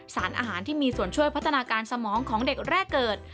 สารอาหารที่มีส่วนช่วยพัฒนาการสมองของเด็กแรกเกิด